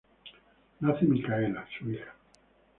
Nace Micaela, su hija.